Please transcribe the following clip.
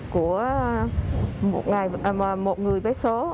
của một người với số